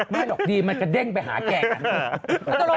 ไม่ตลกทันมันจะเด้งไปหาแก่งกัน